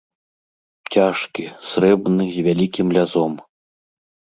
Цяжкі, срэбны, з вялікім лязом!